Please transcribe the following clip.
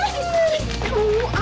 ada krepe ikan